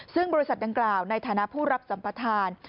ซึ่งบริษัทดังกล่าวในฐานะผู้รับสัมปทาน